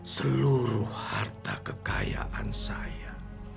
seluruh harta kekayaan saya